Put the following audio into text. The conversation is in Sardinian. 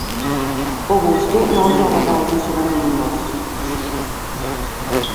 Pro custu nois abbarramus in su caminu nostru.